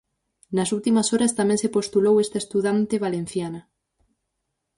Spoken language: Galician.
Nas últimas horas tamén se postulou esta estudante valenciana.